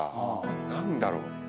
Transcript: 何だろう？